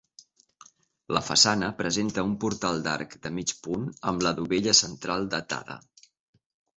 La façana presenta un portal d'arc de mig punt amb la dovella central datada.